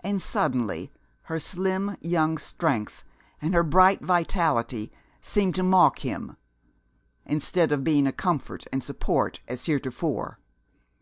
And suddenly her slim young strength and her bright vitality seemed to mock him, instead of being a comfort and support as heretofore.